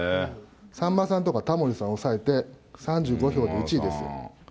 さんまさんとかタモリさん抑えて、３５票で１位です。